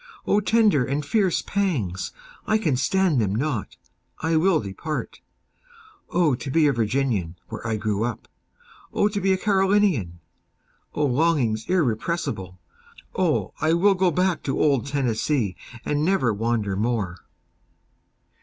O tender and fierce pangs—I can stand them not—I will depart;O to be a Virginian, where I grew up! O to be a Carolinian!O longings irrepressible! O I will go back to old Tennessee, and never wander more!